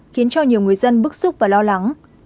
khiến cho nhiều người dân bức xúc và lo lắng